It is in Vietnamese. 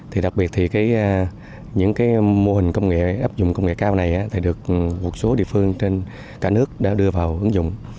thì đặc biệt thì những mô hình công nghệ áp dụng công nghệ cao này thì được một số địa phương trên cả nước đã đưa vào ứng dụng